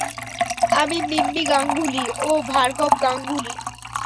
আমি মিম্মি গাঙ্গুলী, ও ভার্গব গাঙ্গুলী।